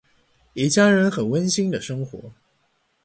一家人很温馨的生活。